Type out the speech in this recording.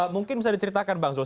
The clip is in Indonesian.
mungkin bisa diceritakan bang zul